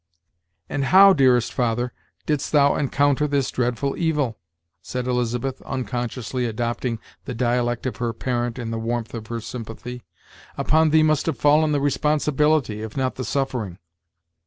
"And how, dearest father, didst thou encounter this dreadful evil?" said Elizabeth, unconsciously adopting the dialect of her parent in the warmth of her sympathy. "Upon thee must have fallen the responsibility, if not the suffering."